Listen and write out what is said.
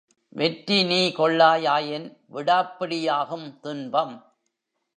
வெற்றிநீ கொள்ளா யாயின் விடாப்பிடி யாகும் துன்பம்.